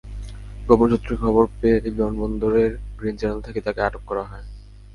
গোপন সূত্রে খবর পেয়ে বিমানবন্দরের গ্রিন চ্যানেল থেকে তাঁকে আটক করা হয়।